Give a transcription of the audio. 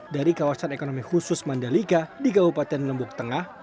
dari kawasan ekonomi khusus mandalika di kabupaten lombok tengah